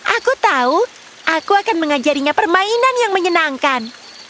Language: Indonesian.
aku tahu aku akan mengajarinya permainan yang menyenangkan